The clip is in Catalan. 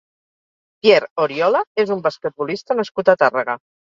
Pierre Oriola és un basquetbolista nascut a Tàrrega.